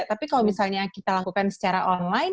tapi kalau misalnya kita lakukan secara online